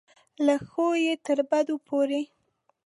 له ښو یې تر بدو پورې.